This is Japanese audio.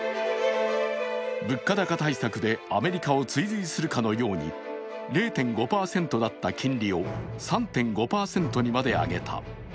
物価高対策でアメリカを追随するかのように０．５％だった金利を３．５％にまで上げた。